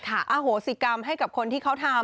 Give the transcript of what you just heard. โหสิกรรมให้กับคนที่เขาทำ